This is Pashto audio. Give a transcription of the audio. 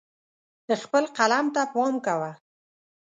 خپل قلم ته پام کوه.